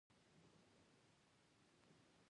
پامیر د افغان کلتور په کیسو او داستانونو کې راځي.